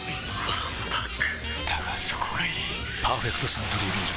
わんぱくだがそこがいい「パーフェクトサントリービール糖質ゼロ」